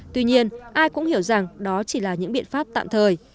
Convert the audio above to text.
tuy nhiên ai cũng hiểu rằng đó chỉ là những biện pháp tạm thời